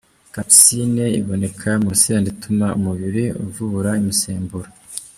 capsaïcine” iboneka mu rusenda ituma umubiri uvubura imisemburo .